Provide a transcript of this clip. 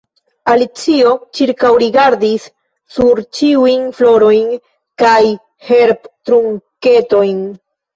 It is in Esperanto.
Alicio ĉirkaŭrigardis sur ĉiujn florojn kaj herbtrunketojn.